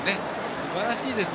すばらしいです。